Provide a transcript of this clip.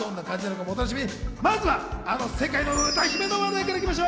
まずはあの世界の歌姫の話題から行きましょう。